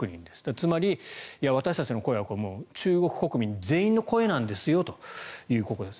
つまり、私たちの声は中国国民全員の声なんですよということです。